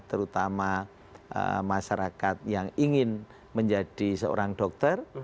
terutama masyarakat yang ingin menjadi seorang dokter